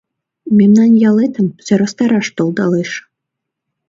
Мемнан ялетым сӧрастараш толдалеш.